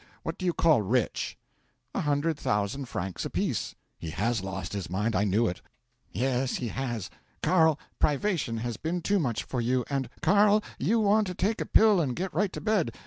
What do you call rich?" '"A hundred thousand francs apiece." '"He has lost his mind. I knew it." '"Yes, he has. Carl, privation has been too much for you, and " '"Carl, you want to take a pill and get right to bed."